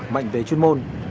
mạnh về chuyên môn